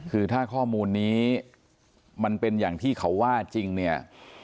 คือถ้าข้อมูลนี้มันเป็นอย่างที่เขาว่าจริงเนี่ย